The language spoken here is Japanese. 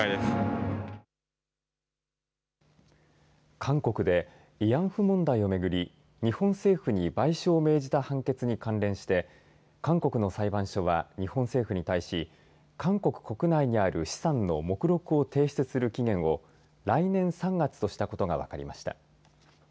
韓国で慰安婦問題をめぐり日本政府に賠償を命じた判決に関連して韓国の裁判所は日本政府に対し韓国国内にある資産の目録を提出する期限を来年３月としたことが分かりました。